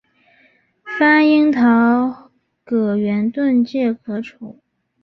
番樱桃葛圆盾介壳虫为盾介壳虫科桃葛圆盾介壳虫属下的一个种。